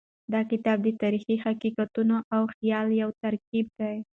دا کتاب د تاریخي حقیقتونو او خیال یو ترکیب دی.